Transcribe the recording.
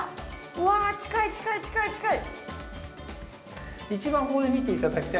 うわ近い近い近い近い！